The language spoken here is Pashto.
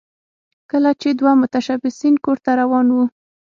کله چې دوه متشبثین کور ته روان وو